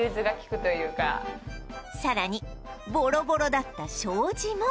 さらにボロボロだった障子も